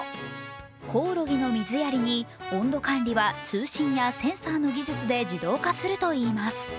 コオロギの水やりに温度管理は通信やセンサーの技術で自動化するといいます。